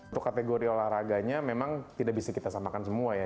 untuk kategori olahraganya memang tidak bisa kita samakan semua ya